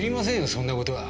そんなことは。